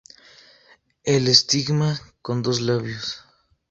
El estigma con dos labios.